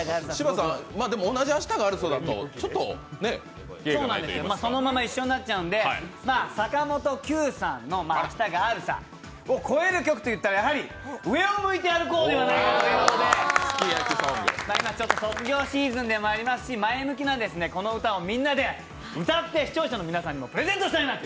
でも同じ「明日があるさ」だとあれですが坂本九さんの「明日があるさ」を超える曲といったら「上を向いて歩こう」ではないかということで、卒業シーズンでもありますし、前向きなこの歌をみんなで歌って視聴者の皆さんにも届けたいなと！